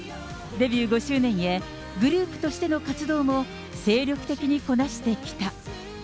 デビュー５周年へ、グループとしての活動も、精力的にこなしてきた。